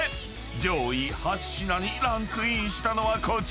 ［上位８品にランクインしたのはこちら］